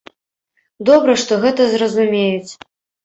Добра, што гэта зразумеюць.